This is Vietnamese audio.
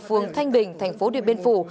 phường thanh bình thành phố điện biên phủ